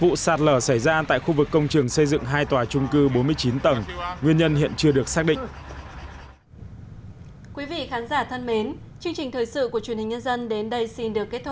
vụ sạt lở xảy ra tại khu vực công trường xây dựng hai tòa trung cư bốn mươi chín tầng nguyên nhân hiện chưa được xác định